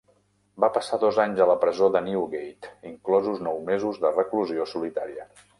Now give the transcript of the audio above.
Va passar dos anys a la presó de Newgate, inclosos nou mesos de reclusió solitària.